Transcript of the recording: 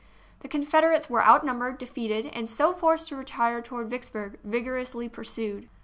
The Confederates were outnumbered, defeated, and so forced to re tire toward Vicksburg, vigorously pursued.